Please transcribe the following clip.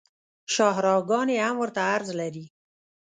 شاهراه ګانې هم ورته عرض لري